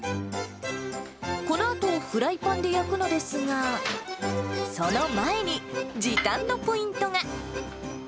このあと、フライパンで焼くのですが、その前に時短のポイントが。